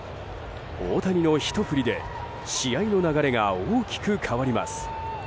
大谷のひと振りで試合の流れが大きく変わります。